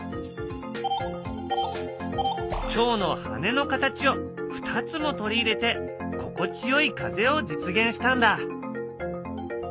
チョウの羽の形を２つも取り入れて心地よい風を実現したんだ。